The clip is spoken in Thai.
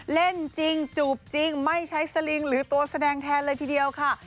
เล่นจริงจูบจริงไม่ใช้สลิงหรือตัวแสดงแทนเลยทีเดียวค่ะ